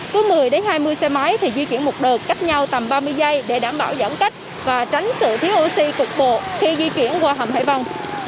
cứ một mươi hai mươi xe máy thì di chuyển một đợt cách nhau tầm ba mươi giây để đảm bảo giãn cách và tránh sự thiếu oxy cục bộ khi di chuyển qua hầm hải vân